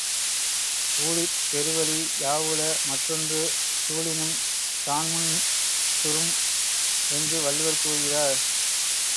ஊழிற் பெருவலி யாவுள மற்றொன்று சூழினும் தான்முந் துறும் என்று வள்ளுவர் கூறுகிறார்.